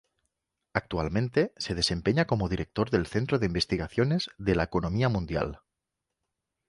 Actualmente se desempeña como Director del Centro de Investigaciones de la Economía Mundial.